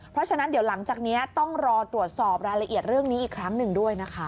เพราะฉะนั้นเดี๋ยวหลังจากนี้ต้องรอตรวจสอบรายละเอียดเรื่องนี้อีกครั้งหนึ่งด้วยนะคะ